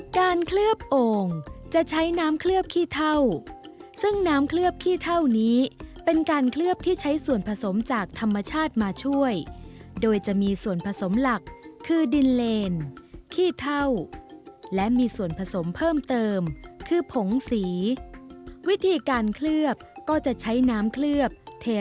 การเคลือบโอ่งจะใช้น้ำเคลือบขี้เท่าซึ่งน้ำเคลือบขี้เท่านี้เป็นการเคลือบที่ใช้ส่วนผสมจากธรรมชาติมาช่วยโดยจะมีส่วนผสมหลักคือดินเลนขี้เท่าและมีส่วนผสมเพิ่มเติมคือผงสีวิธีการเคลือบก็จะใช้น้ำเคลือบที่ใช้ส่วนผสมจากธรรมชาติมาช่วยโดยจะมีส่วนผสมหลักคือดินเลนขี้เท่าแล